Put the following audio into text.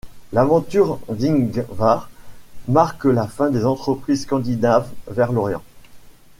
L'aventure d'Ingvar marque la fin des entreprises scandinaves vers l'Orient.